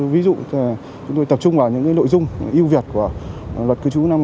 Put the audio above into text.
ví dụ chúng tôi tập trung vào những nội dung ưu việt của luật cư trú năm hai nghìn hai mươi một